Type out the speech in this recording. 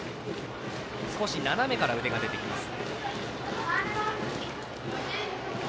斜めから腕が出てきます。